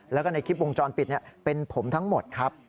แล้วก็ในคลิปวงจรปิดเป็นผมทั้งหมดครับ